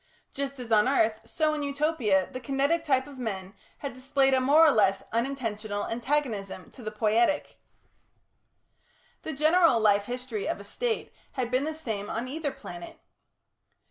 Just as on earth, so in Utopia, the kinetic type of men had displayed a more or less unintentional antagonism to the poietic. The general life history of a State had been the same on either planet.